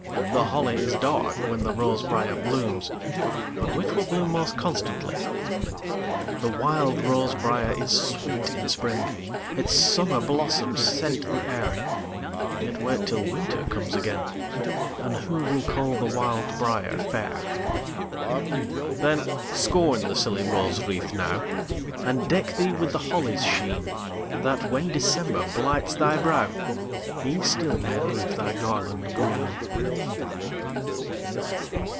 The holly is dark when the rose briar blooms, But which will bloom most constantly? The wild rose briar is sweet in spring, Its summer blossoms scent the air; Yet wait till winter comes again, And who will call the wild briar fair? Then, scorn the silly rose wreath now, And deck thee with the holly's sheen, That, when December blights thy brow, He still may leave thy garland green.